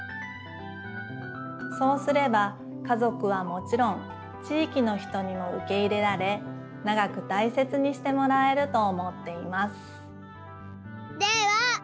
そうすれば家ぞくはもちろん地いきの人にもうけ入れられ長くたいせつにしてもらえると思っています。